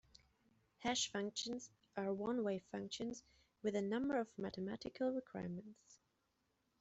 Hash functions are one-way functions with a number of mathematical requirements.